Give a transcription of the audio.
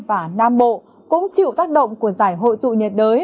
và nam bộ cũng chịu tác động của giải hội tụ nhiệt đới